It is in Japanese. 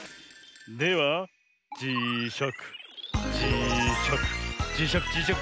ではじしゃくじしゃくじしゃくじしゃく